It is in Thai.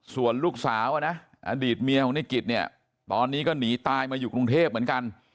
ส่วนลูกสาวนะอดีตเมียของในกิจเนี่ยตอนนี้ก็หนีตายมาอยู่กรุงเทพเหมือนกัน